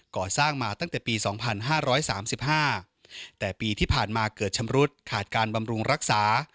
ก่อสร้างมาตั้งแต่ปี๒๕๓๕แต่ปีที่ผ่านมาเกิดชำรุดขาดการบำรุงรักษา